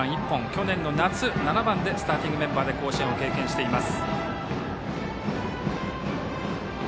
去年の夏、７番でスターティングメンバーで甲子園を経験しています。